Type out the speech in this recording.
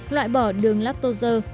loại bỏ đường lactose